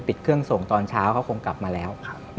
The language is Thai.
ปิดเครื่องส่งตอนเช้าเขาคงกลับมาแล้ว